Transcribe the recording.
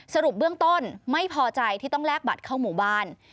สรุปเบื้องต้นไม่พอใจที่ต้องแลกบัตรเข้าหมู่บ้าน